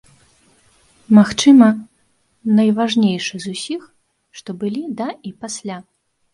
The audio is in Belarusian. Магчыма, найважнейшы з усіх, што былі да і пасля.